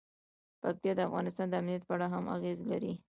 پکتیا د افغانستان د امنیت په اړه هم اغېز لري.